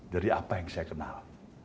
dari apa yang saya kenal